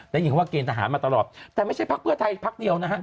ได้ยินว่าเกณฑ์ทหารมาตลอดแต่ไม่ใช่ภักดิ์เพื่อไทยภักดิ์เดียวนะฮะ